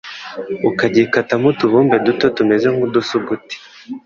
ukagikatamo utubumbe duto tumeze nk’udusuguti.